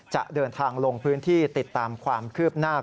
จะเดินทางลงพื้นที่ติดตามความคืบหน้า